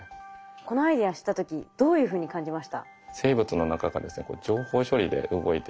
このアイデア知った時どういうふうに感じました？